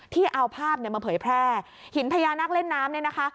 ที่เอาภาพเนี่ยมาเผยแพร่หินพญานาคเล่นน้ำเนี่ยนะคะ